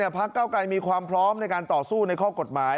พักเก้าไกรมีความพร้อมในการต่อสู้ในข้อกฎหมาย